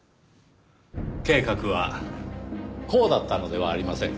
計画はこうだったのではありませんか？